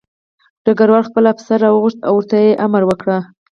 ډګروال خپل افسر راوغوښت او ورته یې امر وکړ